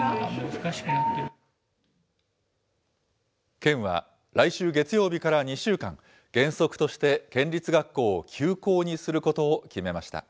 県は、来週月曜日から２週間、原則として県立学校を休校にすることを決めました。